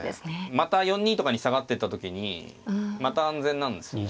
また４二とかに下がってった時にまた安全なんですよ。